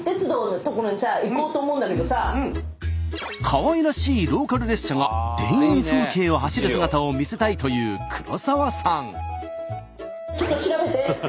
かわいらしいローカル列車が田園風景を走る姿を見せたいという黒沢さん。